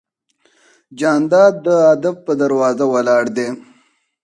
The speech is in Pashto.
جانداد د ادب په دروازه ولاړ دی.